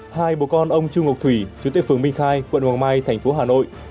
hai bồ con ông trung ngọc thủy chủ tịch phường minh khai quận hoàng mai thành phố hà nội